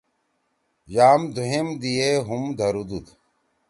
یام دُھویم دی ئے ہُم دھرُودُود۔